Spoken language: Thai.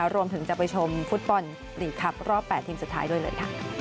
รวมถึงจะไปชมฟุตบอลลีกครับรอบ๘ทีมสุดท้ายด้วยเลยค่ะ